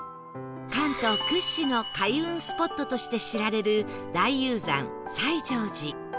関東屈指の開運スポットとして知られる大雄山最乗寺